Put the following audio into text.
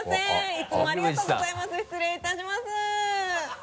いつもありがとうございます失礼いたします。